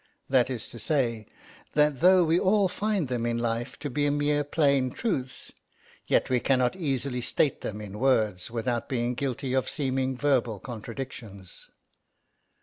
That is to say, that though we all find them in life to be mere plain truths, yet we cannot easily state them in words without being guilty of seeming verbal contradictions.